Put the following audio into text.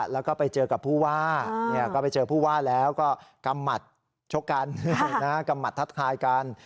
แล้วก็ไปเจอกับผู้ว่าก็ไปเจอผู้ว่าแล้วก็กำหมัดชกกันกำหมัดทักทายกัน